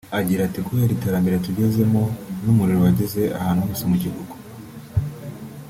agira ati “Kubera iterambere tugezemo n’umuriro wageze ahantu hose mu gihugu